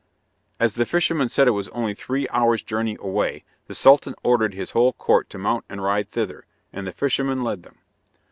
As the fisherman said it was only three hours' journey away, the sultan ordered his whole court to mount and ride thither, and the fisherman led them.